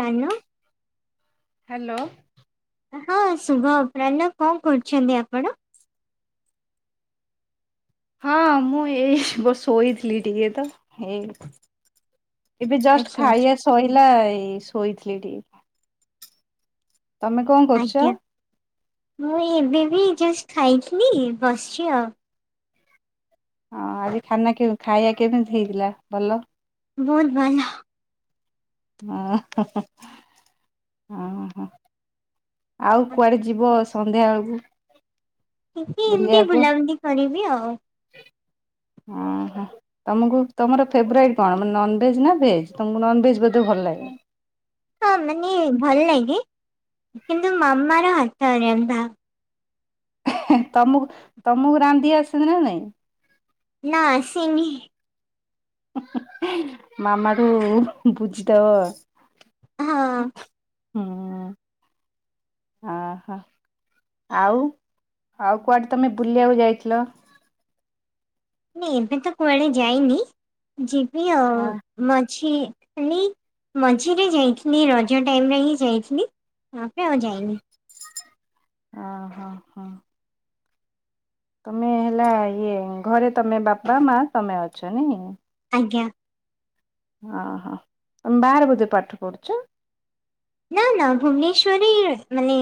Kanu hello. ହଁ ଶୁଭ [unintelligible] କଣ କରୁଛନ୍ତି ଆପଣ? ହଁ ମୁଁ ଏଇ ଶୋଇଥିଲି ଟିକେ ତ। ଏଇ ଏବେ ଜଷ୍ଟ ଆଚ୍ଛା ଖାଇ ଆଚ୍ଛା ଆସ ସଇଲା ଏଇ ଶୋଇଥିଲି ଟିକେ। ତମେ କଣ କରୁଛ? ଆଜ୍ଞା। ମୁଁ ଏବେ ବି, ଜଷ୍ଟ ଖାଇଥିଲି, ବସିଛି ଆଉ। ହଁ ଆଜି ଖାନା କେ, ଖାଇବା କେମିତି ହେଇଥିଲା, ଭଲ? ବୋହୁତ ଭଲ। ଓ ହ ହୋ ଆଉ କୁଆଡେ ଯିବ ସନ୍ଧ୍ୟାବେଳକୁ? ଟିକେ ଏମତି ବୁଲାବନ୍ତି କରିବି ଆଉ। ଓହୋ, ତମକୁ ତମର ଫେବରଟ କଣ? ମାନେ ନନଭେଜ୍ ନା ଭେଜ? ତମକୁ ନନଭେଜ୍ ଭଲ ଲାଗେ। ହଁ ମାନେ ଭଲ ଲାଗେ, କିନ୍ତୁ ମାମାର ହାତ ରନ୍ଧା। ତମକୁ ତମକୁ ରାନ୍ଧି ଆସନ୍ତି ନା ନାଇଁ? ନା ଆସିନି ମାମାଠୁ ବୁଝିଦବ। ହଁ ହୁଁ ଆ ହା। ଆଉ, ଆଉ କୁଆଡେ ତମେ ବୁଲିବାକୁ ଯାଇଥିଲ? ନି ଏବେ ତ କୁଆଡେ ଯାଇନି ଯିବି ଆଉ। ଆ ମଝି ଥିଲି ମଝିରେ ଯାଇଥିନି ରଜ ଟାଇମ୍ ରେ ହିଁ ଯାଇଥିଲି। ତାପରେ ଆଉ ଯାଇନି। ଅ ହ ହ। ତମେ ହେଲା ଇଏ ଘରେ ତମେ ବାପା ମା ତମେ ଅଛ ନାହିଁ? ଆଜ୍ଞା। ଅ ହ ତମେ ବାହାରେ ବୋଧେ ପାଠ ପଢୁଛ। ନା ନା ଭୁବନେଶ୍ଵରରେ ମାନେ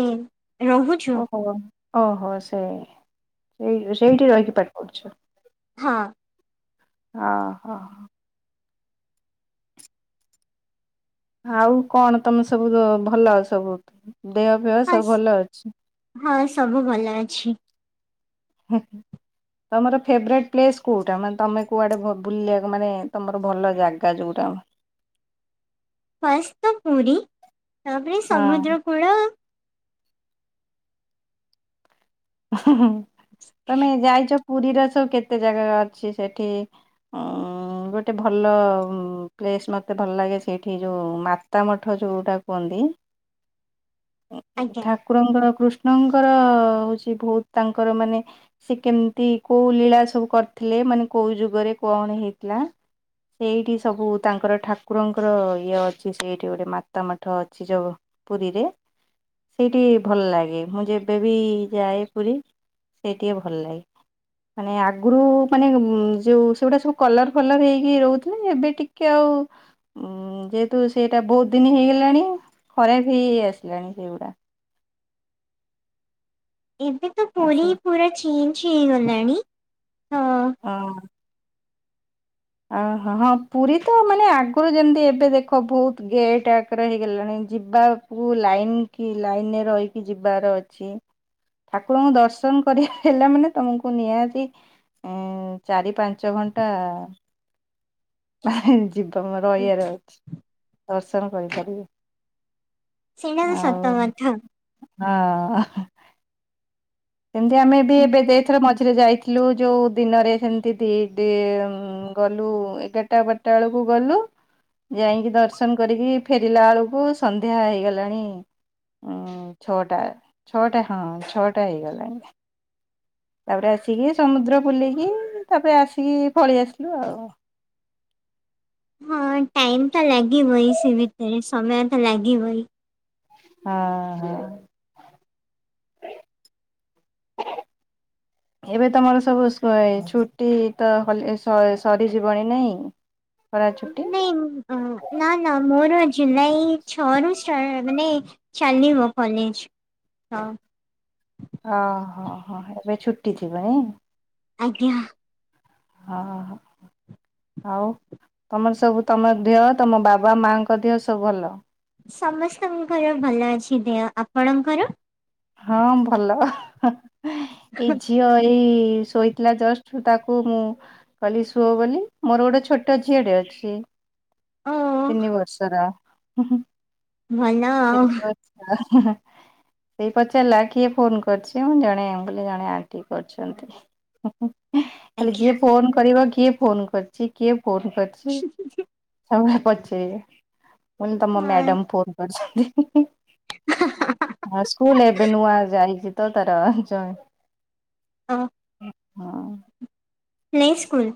ରହୁ ଓହୋ ଓହୋ ସେଇ ସେଇ ସେଇଠି ରହିକି ପାଠ ପଢୁଚ। ହଁ। ଅ ହ। ଆଉ କଣ ତମେ ସବୁ ଭଲ ସବୁ ଦେହ ଫିଅ ହଁ ସବୁ ଭଲ ଅଛି? ହଁ ସବୁ ଭଲ ଅଛି। ହୁଁ। ତମର [unintelligible] କୋଉଟା ମାନେ ତମେ କୁଆଡେ ବୁଲିବାକୁ ମାନେ ତମର ଭଲ ଜାଗା ଯୋଉଟା? ଫାଷ୍ଟ ତ ପୁରୀ ତାପରେ ସମୁଦ୍ର କୂଳ। ତମେ ଯାଇଛ ପୁରୀର ସବୁ କେତେ ଜାଗା ଅଛି ସେଠି ଉଁ ଗୋଟେ ଭଲ ପ୍ଲେସ୍ ମତେ ଭଲ ଲାଗେ ସେଇଠି ଯୋଉ ମାତ୍ ତା ମଠ ଯୋଉଟା କୁହନ୍ତି। ଆଜ୍ଞା। ଠାକୁରଙ୍କର କୃଷ୍ଣଙ୍କର ହଉଛି ବହୁତ ତାଙ୍କର ମାନେ ସେ କେମିତି କୋଉ ଲୀଳା ସବୁ କରିଥିଲେ ମାନେ କୋଉ ଯୁଗରେ କଣ ହେଇଥିଲା? ସେଇଠି ସବୁ ତାଙ୍କର ଠାକୁରଙ୍କର ଇଏ ଅଛି ସେଇଠି ଗୋଟେ ମାତା ମଠ ଅଛି। ଯୋଉ ପୁରୀରେ ସେଇଠି ଭଲ ଲାଗେ। ମୁଁ ଯେବେବି ଯାଏ ପୁରୀ ସେଇ ଟିକେ ଭଲ ଲାଗେ। ମାନେ ଆଗରୁ ମାନେ ଯୋଉ ସେଗୁଡ଼ା ସବୁ କଲର୍ ଫଲର ହେଇକି ରହୁଥିଲେ। ଏବେ ଟିକ୍ କେ ଆଉ ଉଁ ଯେହେତୁ ସେଇଟା ବହୁତ ଦିନି ହେଇଗଲାଣି ଖରାପ ହେଇ ହେଇ ଆସିଲାଣି ସେଗୁଡା। ଏବେ ତ ପୁରୀ ଆଛା ପୁରା ଚେଞ୍ଜ ହେଇଗଲାଣି ହଁ। ହଁ। ଓହ ହଁ ପୁରୀ ତ ମାନେ ଆଗରୁ ଯେମିତି ଏବେ ଦେଖ ବହୁତ ଗେଟ୍ ଆଗରେ ହେଇଗଲାଣି ଯିବା କୁ ଲାଇନ କି ଲାଇନେ ରହିକି ଯିବାର ଅଛି। ଠାକୁରଙ୍କୁ ଦର୍ଶନ କରିବାକୁ ହେଲେ ମାନେ ତମକୁ ନିହାତି ଏଁ ଚାରି ପାଞ୍ଚ ଘଣ୍ଟା। ଜୀବନ ରହିବାର ଅଛି ଦର୍ଶନ କରିପାରିବେ। ସେଇଟା ତ ସତ ଆଉ କଥା ଆ ଏମତି ଆମେ ବି ଏବେ ଯେ ଥର ମଝିରେ ଯାଇଥିଲୁ ଯୋଉ ଦିନରେ ସେମିତି ଦି ଦି ଗଲୁ ଏଗାରଟା ବାରଟା ବେଳକୁ ଗଲୁ। ଯାଇଁକି ଦର୍ଶନ କରିକି ଫେରିଲା ବେଳକୁ ସନ୍ଧ୍ୟା ହେଇଗଲାଣି। ଉଁ ଛଅଟା ଛଅଟା ହଁ ଛଅଟା ହେଇଗଲାଣି। ତାପରେ ଆସିକି ସମୁଦ୍ର ଵୁଲିକି ତାପରେ ଆସିକି ପଳେଇ ଆସିଲୁ ଆଉ। ହଁ ଟାଇମ୍ ତ ଲାଗିବ ହି ସେ ଭିତରେ ସମୟ ତ ଲାଗିବ ହି। ହ ହ। ଏବେ ତମର ସବୁ ଛୁଟି ତ ହଲି ସ ସ ସରିଯିବଣି ନାଇଁ। ଖରା ଛୁଟି ନାଇଁ ନା ନା ମୋର ଜୁଲାଇ ଛଅରୁୁ ଛ ମାନେ ଚାଲିବ କଲେଜ ହଁ। ଓ ହୋ ହୋ ଏବେ ଛୁଟି ଥିବ ନାଇଁ। ଆଜ୍ଞା। ହଁ। ଆଉ ତମର ସବୁ ତମ ଦେହ ତମ ବାବା ମାଆଙ୍କ ଦେହ ସବୁ ଭଲ। ସମସ୍ତଙ୍କର ଭଲ ଅଛି ଦେହ ଆପଣଙ୍କର? ହଁ ଭଲ ଏଇ ଝିଅ ଏଇ ଶୋଇ ଥିଲା ଜଷ୍ଟ ତାକୁ ମୁଁ କହିଲି ଶୁଅ ବୋଲି ମୋର ଗୋଟେ ଛୋଟ ଝିଅଟେ ଅଛି। ଓ ତିନି ବର୍ଷର ହୁଁ ହୁଁ। ଭଲ ଆଉ। ଆ ହାଁ ହାଁ। ସେଇ ପଚାରିଲା କିଏ ଫୋନ କରିଚି ମୁଁ ଜଣେ ବୋଲି ଜଣେ ଆଣ୍ଟି କରିଛନ୍ତି ହୁଁ ହୁଁ। ହେଁ ଖାଲି ଯିଏ ଫୋନ କରିବ କିଏ ଫୋନ କରିଚି କିଏ ଫୋନ କ ହୁଁ ହୁଁ ହୁଁ। ସବୁବେଳେ ପଚାରିବେ [unintelligible] ତମ ହଁ ମ୍ୟାଡାମ ଫୋନ କରିଛନ୍ତି ହିଁ ହିଁ। ହାଁ ହାଁ ହାଁ। ହଁ ସ୍କୁଲ ଏବେ ନୁଆ ଯାଇଚି ତ ତାର ହୁଁ ଜଏ ଓ ହଁ। Play school.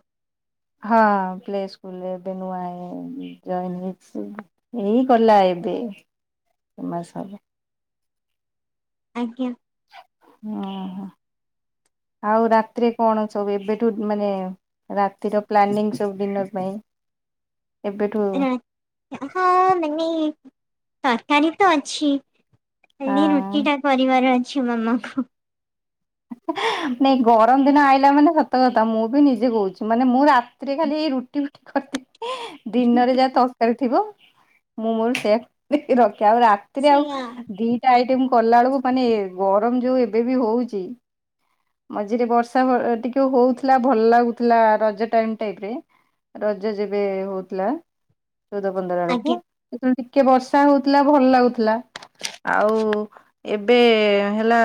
ହଁ ପ୍ଲେ ସ୍କୁ ସ୍କୁଲ୍ ଏବେ ନୂଆ ଜଏନ୍ ହେଇଚି ଏଇ କଲା ଏବେ। [unintelligible] ଆଜ୍ଞା। ଓହୋ ଆଉ ରାତିରେ କଣ ସବୁ ଏବେଠୁ ମାନେ ରାତିର ପ୍ଲାନିଂ ସବୁ ଡିନର ପାଇଁ ଏବେଠୁ ରା- ହଁ ମାନେ ତରକାରୀ ତ ଅଛି ଖାଲି ହଁ। ରୁଟି ଟା କରିବାର ଅଛି ମାମାଙ୍କୁ। ବାଇ ଗରମ ଦିନ ଆଇଲା ମାନେ ସତ କଥା ମୁଁ ବି ନିଜେ କହୁଛି ମାନେ ମୁଁ ରା ତିରେ ଖାଲି ଏଇ ରୁଟି ଫୁଟି କରିଦିଏ ଦିନରେ ଯା ତ କାରି ଥିବ ମୁଁ ମୋର ସେଇଆ ରଖେ ଆଉ ରାତିରେ ଆଉ ସେଇଆ ଦି ଟା ଆଇଟମ କଲା ବେଳକୁ ମାନେ ଗରମ ଯୋଉ ଏବେ ବି ହଉଚି ମଝିରେ ବର୍ଷା ଟିକେ ହଉଥୁଲା ଭଲ ଲାଗୁଥିଲା ରଜ ଟାଇମ୍ ଟାଇପ୍ ରେ ରଜ ଯେବେ ହଉଥିଲା ଚଉଦ ପନ୍ଦର ଆଜ୍ଞା ଆଳକୁ। ସେତବେଳେ ଟିକେ ବର୍ଷା ହଉଥୁଲା ଭଲ ଲାଗୁଥିଲା। ଆଉ ଏବେ ହେଲା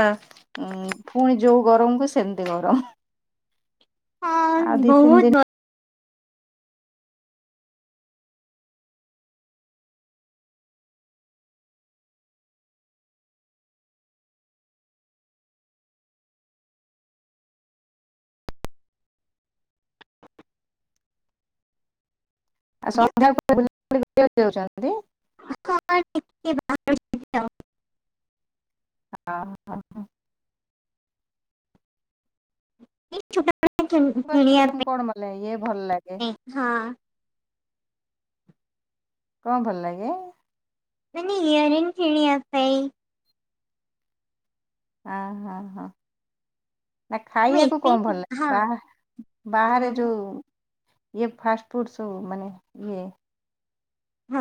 ଉଁ ପୁଣି ଯୋଉ ଗରମକୁୁ ସେମିତି ଗରମ। ଆଉ ହ ଦି ତିନି ବହୁତ ଦିନ ଗ ଆଉ ଆଜ୍ଞା। ସନ୍ଧ୍ୟା [unintelligible] ଦଉଚନ୍ତି। [unintelligible] ଭାତ। ହଁ ହଁ ହଁ। [unintelligible] କିଣିବା କଣ ଭଲ ଇଏ ଭଲ ଲାଗେ ପାଇଁ ହଁ। କଣ ଭଲ ଲାଗେ? ମାନେ ୟିଅରିଙ୍ଗ କିଣିବା ପାଇଁ। ଆ ହଁ ହଁ। ଆ ମୁଁ ଖାଇବାକୁ କଁ ଏତେ ଭଲ ଲାଗେ ହଁ ବା ବାହାରେ ଯୋଉ ଇଏ ଫାଷ୍ଟଫୁଡ ସବୁ ମାନେ ଇଏ ହଁ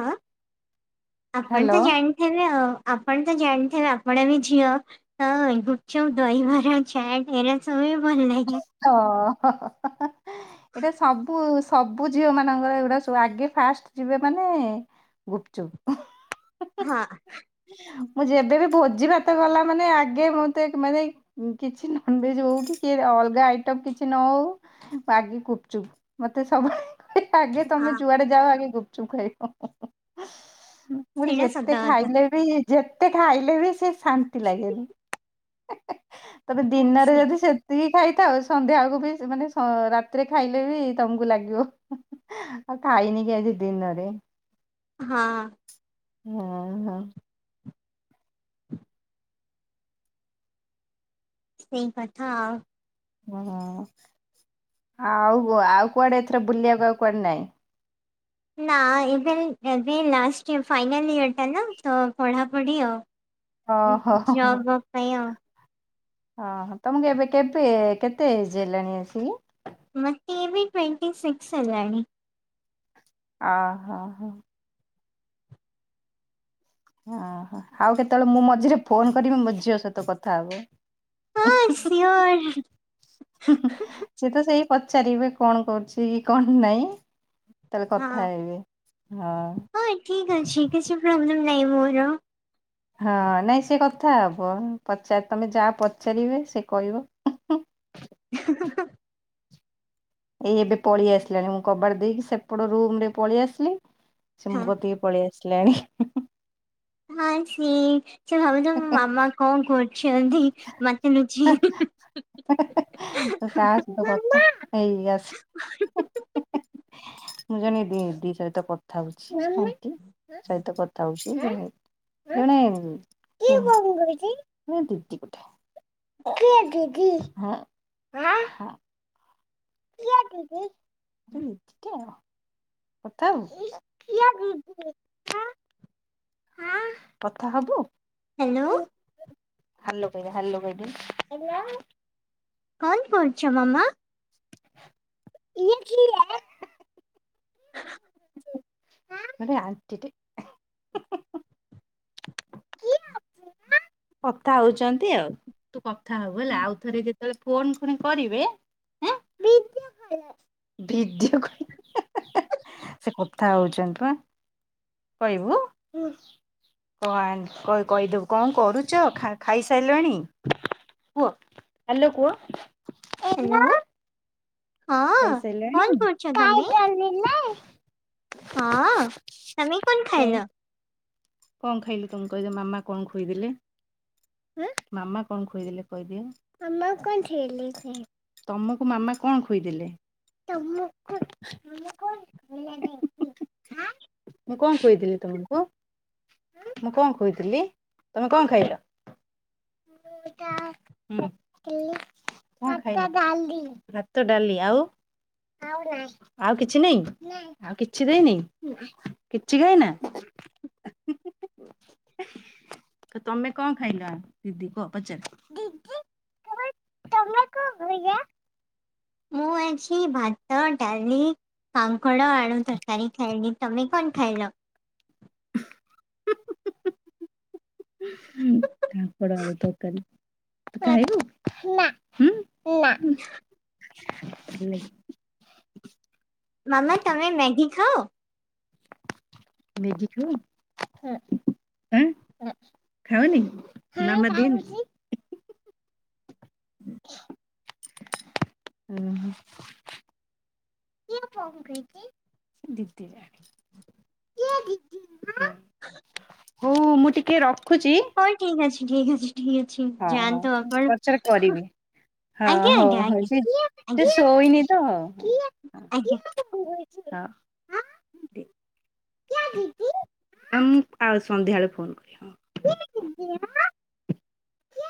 ଆପଣ ତ ହ୍ୟାଲୋ ଜାଣି ହେଲେ ଆ ଆପଣ ତ ଜାଣିଥିବେ ଆପଣ ବି ଝିଅ। ହଁ ଗୁପଚୁପ ଦହି ବରା ଚାଟ୍ ଏରା ସବୁ ବି ଭଲଲାଗେ। [unintelligible] ଏଇଟା ସବୁ ସବୁ ଝିଅ ମାନଙ୍କର ଏଗୁଡା ସବୁ ଆଗେ ଫାଷ୍ଟ ଯିବେ ମାନେ ଗୁପଚୁପ [unintelligible] ହଁ। ମୁଁ ଯେବେ ବି ଭୋଜି ଭାତ ଗଲା ମାନେ ଆଗେ ମୁଁତ ମାନେ କିଛି ନନଭେଜ ହଉ କି କି ଅଲଗା ଆଇଟମ୍ କିଛି ନ ହଉ ଆଗେ ଗୁପଚୁପ ମତେ ସବୁ ଆଗେ ତମେ ହଁ ଜୁଆଡେ ଯାଅ ଆଗେ ଗୁପଚୁପ ଖାଇବ। ମୁଁ କହିଲି ସେଇଟା ସତ ଯେତେ କଥା ଖାଇଲେ ବି ଯେତେ ଖାଇଲେ ବି ସେ ଶାନ୍ତି ଲାଗେନି। [unintelligible] ତମେ ଦିନରେ ଅଛି ଯଦି ସେ ଖାଇଥାଅ ସନ୍ଧ୍ୟା ବଳକୁ ବି ମାନେ ରାତିରେ ଖାଇଲେ ବି ତମକୁ ଲାଗିବ। ଆଉ ଖାଇନି କି ଆଜି ଦିନରେ। ହଁ। ହଁ ହଁ। ସେଇ କଥା। ହୁଁ ଆଉ ଆଉ କୁଆଡ଼େ ଏଥର ବୁଲିବାକୁ ଆଉ କୁଆଡ଼େ ନାଇଁ। ନା ଏବେ ଏବେ ଲାଷ୍ଟ ଇୟର ଫାଇନାଲ ଇୟର ଟା ନା ତ ପଢ଼ାପଢି ଆଉ। ଓହୋ ଉଁ ହୋ ଜବ ବବ ପାଇଁ ଆଉ। ଅ ହଁ ତମକୁ ଏବେ କେତେ କେତେଏଜ୍ ହେଲାଣି ଆସିକି? ମତେ ଏବେ ଟୱେଣ୍ଟୀ ସିକକ୍ସ ହେଲାଣି। ଅ ହ ହ। ଅ ହଁ, ଆଉ କେତେବେଳେ ମୁଁ ମଝିରେ ଫୋନ କରିବି ମୋ ଝିଅ ସହିତ କଥା ହବ। [unintelligible] ହଁ ସିଓର ସେଏ ତ ସେଇ ପଚାରିବେ କଣ କରୁଛି କି କଣ ନାଇଁ। ତାହେଲେ ହଁ କଥା ହେବେ ହଁ। ପ୍ରୋବଲେମ୍ ନାଇଁ ମୋର। ହଁ ନାଇଁ ସେ କଥା ହବ ପଚାର ତମେ ଯାହା ପଚାରିବେ ସେ କହିବ। [unintelligible] ଏଇ ଏବେ ପଳେଇ ଆସିଲାଣି ମୁଁ କବାଡ ଦେଇକି ସେପଟ ରୁମରେ ପଳେଇ ଆସିଲି। ସେ ହଁ। ମୋ କତିକି ପଳେଇ ଆସିଲାଣି। ହଁ ସି ସେ ଭାବୁ [unintelligible] ମା କଣ କରୁଛନ୍ତି ମତେ ଲୁଚି। [unintelligible] କାହା ସହିତ କଥା ହେଇ ଆସ ମୁଁ ଜନେ ଦି ଦି ସହିତ କଥା ହଉଛି ଆଣ୍ଟୀ ସହିତ କଥା ହଉଛି। [unintelligible] କିଏ ଦିଦି, ହା ହା। କିଏ ଦିଦି? କଥା ହବୁ। ହଁ ହଁ କଥା ହବୁ। ହାଲୋ। ହାଲୋ କହି ଦେ ହାଲ କହି ଦେ ହାଲୋ। [inaudible] [inaudible] [unintelligible] କଥା ହଉଛନ୍ତି ଆଉ ତୁ କଥା ହବୁ ହେଲା ଆଉ ଥରେ ଯେ ଯେତେବେଳେ ଫୋନ କରି କରିବେ ଆଁ [unintelligible] ଭିଡ଼ିଓ କ [unintelligible] ସେ କଥା ହଉଛନ୍ତି ପା। କହିବୁ [unintelligible] କହିଦବୁ କଣ କରୁ ଚ ଖା ଖାଇସାଇଲଣି କୁଅ ହାଲୋ କୁଅ। ହାଲୋ ହଁ ଖାଇସାରିଲାଣି? କନ୍ କରୁଛ କଣ ତମେ? ହଁ ତମେ କନ୍ ଖାଇଲ। କଂ ଖାଇଲୁ ତୁମେ କହିଦେ ମାମା କଣ ଖୋଇଦେଲେ। [inaudible] ମାମା କଣ ଖୋଇଦଲେ କହିଦିଏ। [inaudible] ତମକୁ ମାମା କଣ ଖୋଇଦେଲେ। [inaudible] ମୁଁ କଣ ଖୋଇଦେଲି ତମକୁ ମୁଁ କଣ ଖୋଇଥିଲି ତମେ କଣ ଖାଇଲ। [inaudible] କଣ ଖାଇ ଭାତ ଡାଲି ଆଉ ଆଉ କିଛି ନାଇଁ। ଆଉ କିଛି ଦେଇନି କିଛି ଖାଇନା। ତ ତମେ କଣ ଖାଇଲ ଦିଦି କୁଅ ପଚାର। [inaudible] କଣ ଖାଇଲ? ମୁଁ ଆଜି ଭାତ ଡାଲି କାଙ୍କଡ଼ ଆଳୁ ତରକାରୀ ଖାଇଲି। ତମେ କନ୍ ଖାଇଲ। [inaudible] କାଙ୍କଡ଼ ଆଳୁ ତରକାରୀ ତୁ ଖାଇବୁ। ହୁଁ [inaudible] ନେ ମାମା ତମେ ମେଗି ଖାଅ। ମେଗି ଖାଉ ଆଁ। ଖାଅନି [unintelligible] [inaudible] ହୁଁ। [unintelligible] ହଉ ମୁଁ ଟିକେ ରଖୁଛି। ହଉ ଠିକ ଅଛି ଠିକ ଅଛି ଠିକ ଅଛି ହଁ ହଁ ଯାଆନ୍ତୁ ପଛରେ ଆପଣ। କରିବି। ହଁ ଆଜ୍ଞା ହଉ ଆଜ୍ଞା ଆଜ୍ଞା ହଉଛି ସେ ଆଜ୍ଞା ଶୋଇନି ତ ହଁ। ଆଜ୍ଞା [inaudible] [unintelligible]